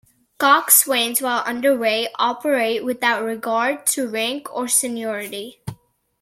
Coxswains, while underway, operate without regard to rank or seniority.